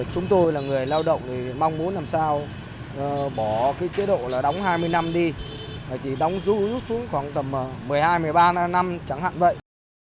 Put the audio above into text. chúng tôi là người lao động thì mong muốn làm sao bỏ cái chế độ là đóng hai mươi năm đi chỉ đóng rút xuống khoảng tầm một mươi hai một mươi ba năm chẳng hạn vậy